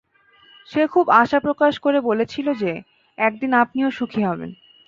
সে খুব আশা প্রকাশ করে বলেছিল যে একদিন আপনিও সুখী হবেন!